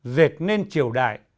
dệt nên triều đại